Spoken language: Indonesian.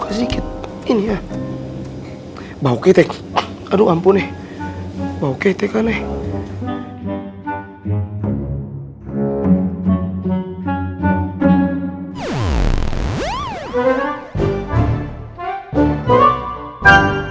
aku mau dapet miguel's